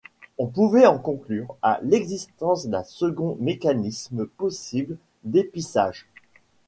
On pouvait en conclure à l'existence d'un second mécanisme possible d'épissage.